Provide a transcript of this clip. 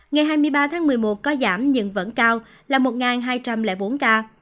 ngày hai mươi ba tháng một mươi một có giảm nhưng vẫn cao là một hai trăm linh bốn ca